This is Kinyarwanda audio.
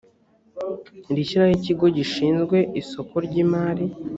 rishyiraho ikigo gishinzwe isoko ry imari